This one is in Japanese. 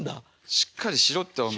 しっかりしろってお前。